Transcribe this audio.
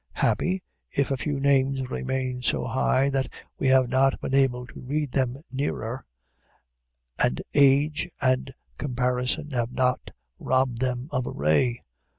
Happy, if a few names remain so high that we have not been able to read them nearer, and age and comparison have not robbed them of a ray.